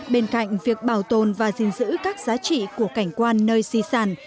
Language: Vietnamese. bên cạnh việc bảo tồn và giữ các giá trị của cảnh quan nơi di sản